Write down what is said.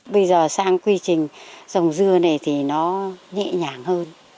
bây giờ sang quy trình dòng dưa này thì nó nhẹ nhàng hơn